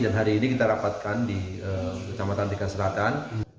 dan hari ini kita rapatkan di kecamatan tiga selatan